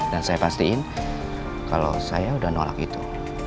dan saya pastiin kalau saya udah nolak itu